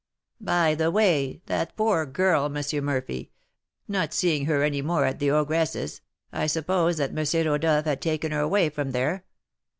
By the way, that poor girl, M. Murphy, not seeing her any more at the ogress's, I supposed that M. Rodolph had taken her away from there.